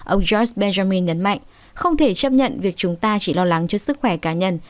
ông jos bejamin nhấn mạnh không thể chấp nhận việc chúng ta chỉ lo lắng cho sức khỏe cá nhân